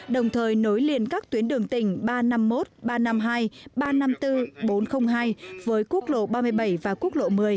đồng thời nối liền các tuyến đường tỉnh ba trăm năm mươi một ba trăm năm mươi hai ba trăm năm mươi bốn bốn trăm linh hai với quốc lộ ba mươi bảy và quốc lộ một mươi